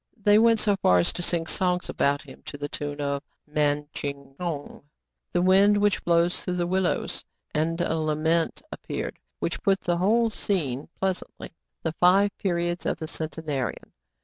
They went so far as to sing songs about him to the tune of " Man Tchiang Houng,*' — the wind which blows through the willows. And a lament appeared, which put the whole scene pleasantly: "The Five Periods of the Centenarian.